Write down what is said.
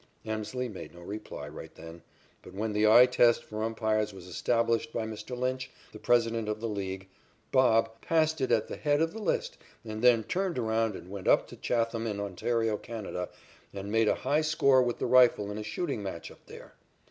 Emslie made no reply right then, but when the eye test for umpires was established by Mr. Lynch, the president of the League, "Bob" passed it at the head of the list and then turned around and went up to Chatham in Ontario, Canada, and made a high score with the rifle in a shooting match up there.